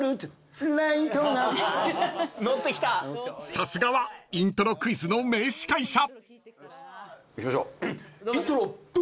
［さすがはイントロクイズの名司会者］いきましょう。